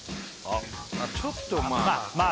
ちょっとまあ